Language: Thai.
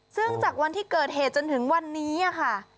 ซึ่งจากวันที่เกิดเหตุจนถึงวันนี้ค่ะ